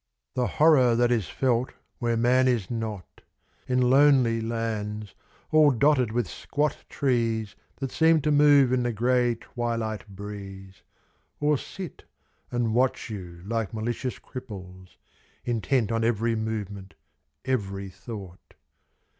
The horror that is felt where man is not, In lonely lands all dotted with squat trees That seem to move in the grey twilight breeze — Or sit and watch you like malicious cripples, Intent on every movement, every thought.